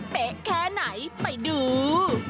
เป๊ะแค่ไหนไปดู